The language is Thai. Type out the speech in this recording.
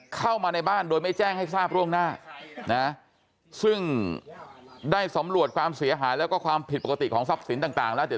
เข้ามาในบ้านโดยไม่แจ้งให้ทราบร่วงหน้านะซึ่งได้สำรวจความเสียหายแล้วก็ความผิดปกติของทรัพย์สินต่างแล้ว